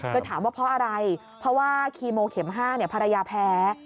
ถามว่าเพราะอะไรเพราะว่าคีโมเข็ม๕ภรรยาแพ้